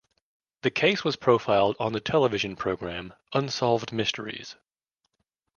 The case was profiled on the television program "Unsolved Mysteries".